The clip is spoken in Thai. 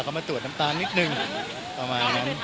เค้าชอบทานของหวาน